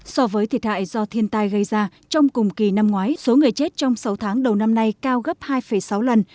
so với thiệt hại do thiên tai gây ra trong cùng kỳ năm ngoái số người chết trong sáu tháng đầu năm nay cao gấp hai sáu lần